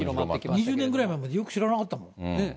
２０年ぐらい前までよく知らなかったもん。